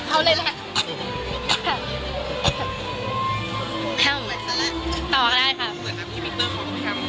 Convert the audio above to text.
เอาเลยนะฮะ